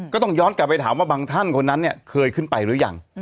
ก็ต้องย้อนกลับไปถามว่าบางท่านคนนั้นเนี่ยเคยขึ้นไปหรือยัง